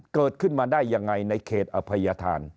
เกิดขึ้นมาได้ยังไงในเขตอภัยธาน